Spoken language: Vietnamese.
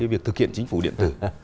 việc thực hiện chính phủ điện tử